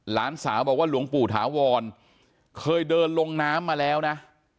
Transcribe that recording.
หลานสาวบอกว่าหลวงปู่ถาวรเคยเดินลงน้ำมาแล้วนะ